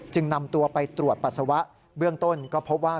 นำตัวไปตรวจปัสสาวะเบื้องต้นก็พบว่า